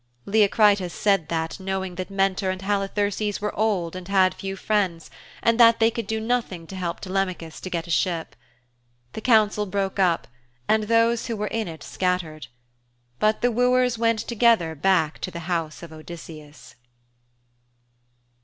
Leocritus said that knowing that Mentor and Halitherses were old and had few friends, and that they could do nothing to help Telemachus to get a ship. The council broke up and those who were in it scattered. But the wooers went together back to the house of Odysseus.